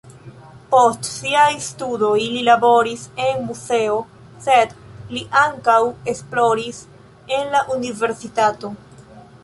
Post siaj studoj li laboris en muzeo, sed li ankaŭ esploris en la universitato.